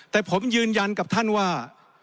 แต่ผมยืนยันกับท่านว่า